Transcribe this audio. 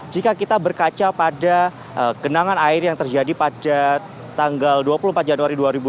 jika kita berkaca pada genangan air yang terjadi pada tanggal dua puluh empat januari